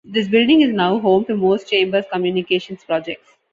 This building is now home to most Chambers Communications projects.